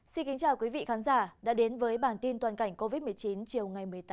chào mừng quý vị đến với bản tin toàn cảnh covid một mươi chín chiều một mươi tám một mươi